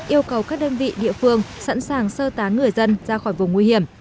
yêu cầu các đơn vị địa phương sẵn sàng sơ tán người dân ra khỏi vùng nguy hiểm